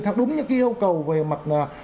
theo đúng những cái yêu cầu về mặt